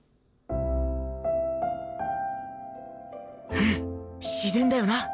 うん自然だよな